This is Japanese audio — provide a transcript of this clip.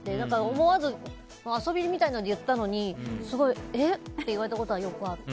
思わず遊びみたいに言ったのにえ？って言われたことはよくあった。